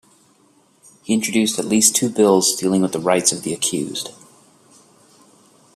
He introduced at least two bills dealing with the rights of the accused.